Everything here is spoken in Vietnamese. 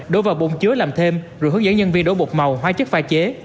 đổ vào bồn chứa làm thêm rồi hướng dẫn nhân viên đổ bột màu hoa chất pha chế